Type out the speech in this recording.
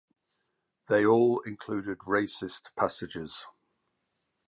They all included racist passages.